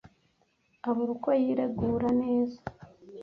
abura uko yiregura neza